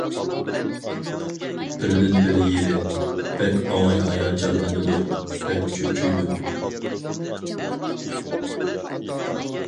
بىردىنبىر يېرى، بەك ئوڭاي ھاياجانلىنىدۇ، بەك چۆچۈيدۇ.